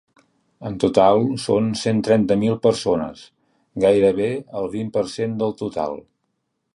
En total són cent trenta mil persones, gairebé el vint per cent del total.